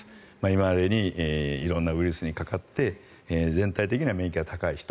今までに色んなウイルスにかかって全体的な免疫が高い人